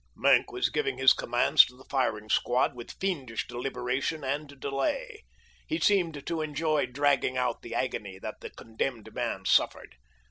Maenck was giving his commands to the firing squad with fiendish deliberation and delay. He seemed to enjoy dragging out the agony that the condemned man suffered.